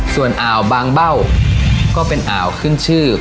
ส่วนอ่าวบางเบ้าก็เป็นอ่าวขึ้นชื่อ